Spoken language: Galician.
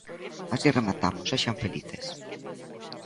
Así rematamos, sexan felices.